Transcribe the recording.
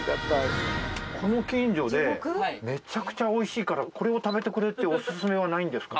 この近所でめちゃくちゃおいしいからこれを食べてくれってお薦めはないんですか？